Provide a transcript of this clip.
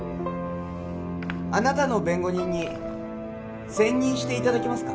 あなたの弁護人に選任していただけますか？